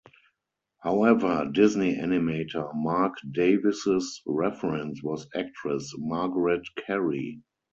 However, Disney animator Marc Davis's reference was actress Margaret Kerry.